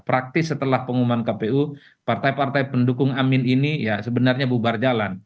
praktis setelah pengumuman kpu partai partai pendukung amin ini ya sebenarnya bubar jalan